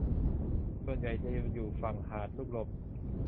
ส่วนใหญ่จะอยู่ฝั่งหาดลูกลม